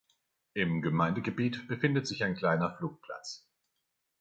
Im Gemeindegebiet befindet sich ein kleiner Flugplatz.